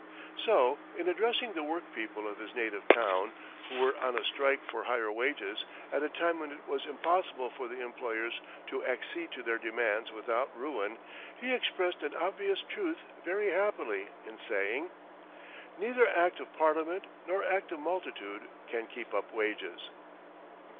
So in addressing the work people of his native town, who were on a strike for higher wages at a time when it was impossible for the employers to accede to their demands without ruin, he expressed an obvious truth very happily in saying: "Neither act of parliament nor act of a multitude can keep up wages."